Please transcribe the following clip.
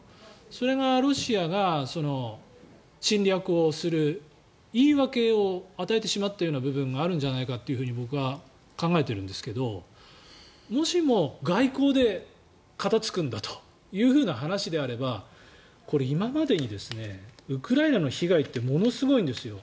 それがロシアが侵略をする言い訳を与えてしまったような部分があるんじゃないかと僕は考えているんですけどもしも外交で片がつくんだという話であればこれ今までにウクライナの被害ってものすごいんですよ。